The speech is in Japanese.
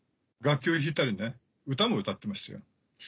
楽器を弾いたりね歌も歌ってましたよ。